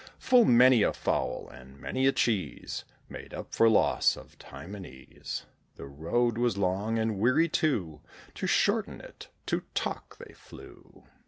Full many a fowl, and many a cheese, Made up for loss of time and ease. The road was long, and weary too: To shorten it, to talk they flew.